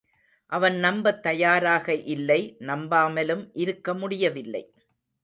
அவன் நம்பத் தயாராக இல்லை நம்பாமலும் இருக்க முடியவில்லை.